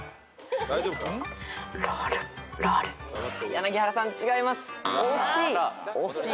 柳原さん違います。